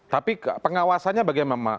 tapi pengawasannya bagaimana